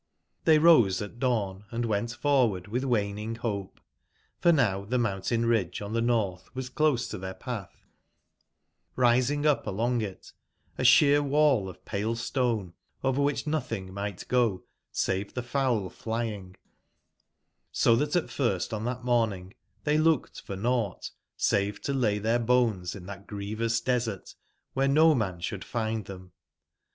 Hhey rose at dawn and went forward with waning hope: for now the mountain ridge on the north was close to their path, rising up alon g it, a sheer wall of pale stone over which nothing might go save the fowl flying; so that at first on that morning they looked for nought save to lay their bones in that grievous desertwherenomanshouldfind them.